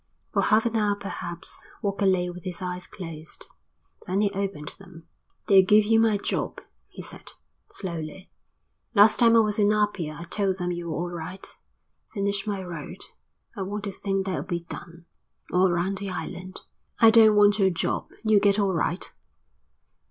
For half an hour perhaps Walker lay with his eyes closed, then he opened them. "They'll give you my job," he said, slowly. "Last time I was in Apia I told them you were all right. Finish my road. I want to think that'll be done. All round the island." "I don't want your job. You'll get all right."